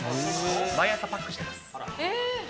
毎朝、パックしてます。